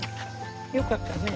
よかったね。